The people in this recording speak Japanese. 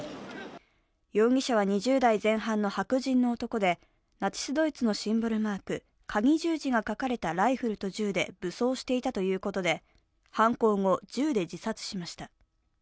容疑者は２０代前半の白人の男で、ナチス・ドイツのシンボルマーク、かぎ十字が描かれたライフルと銃で武装していたということで、犯行後、銃で自殺しました。